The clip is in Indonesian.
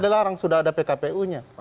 dilarang sudah ada pkpu nya